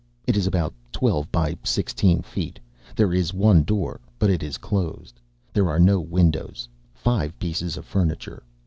It is about twelve by sixteen feet. There is one door, but it is closed. There are no windows. Five pieces of furniture.